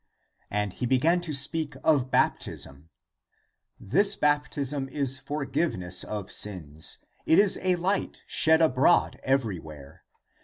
And he began to speak of baptism: " This baptism is forgiveness of sins. It is a light shed abroad everywhere.